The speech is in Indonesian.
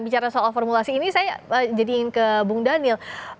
bicara soal formulasi ini saya jadi ingin ke bung daniel